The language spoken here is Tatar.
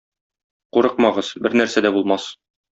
Курыкмагыз, бернәрсә дә булмас.